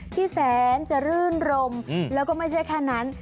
ที่แสนจะรื่นรมแล้วก็ไม่ใช่แค่นั้น